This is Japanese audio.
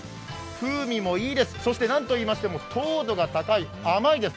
風味もいいです、そして何と言いましても糖度が高い、甘いです。